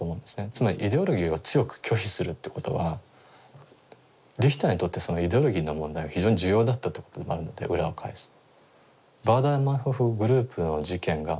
つまりイデオロギーを強く拒否するってことはリヒターにとってそのイデオロギーの問題は非常に重要だったってことでもあるので裏を返すと。